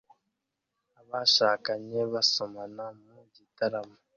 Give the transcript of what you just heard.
Abashakanye basomana mu gitaramo